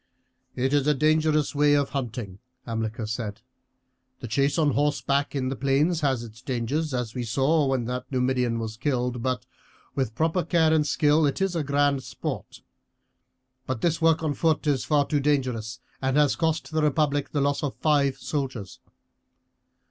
"It is a dangerous way of hunting," Hamilcar said. "The chase on horseback in the plains has its dangers, as we saw when that Numidian was killed; but with proper care and skill it is a grand sport. But this work on foot is too dangerous, and has cost the republic the loss of five soldiers.